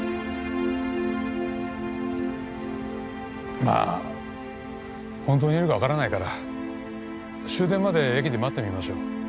まぁホントにいるか分からないから終電まで駅で待ってみましょう。